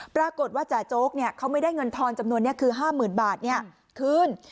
ปรากฏว่าจ่าโจ๊กเขาไม่ได้เงินทอนจำนวนนี้คือ๕๐๐๐บาทคืน